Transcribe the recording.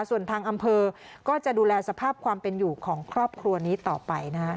ส่วนทางอำเภอก็จะดูแลสภาพความเป็นอยู่ของครอบครัวนี้ต่อไปนะฮะ